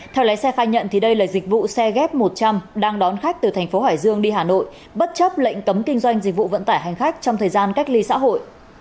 theo lái xe khai nhận đây là dịch vụ xe ghép một trăm linh đang đón khách từ thành phố hải dương đi hà nội bất chấp lệnh cấm kinh doanh dịch vụ vận tải hành khách trong thời gian cách ly xã hội